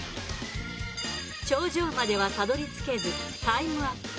頂上まではたどり着けずタイムアップ。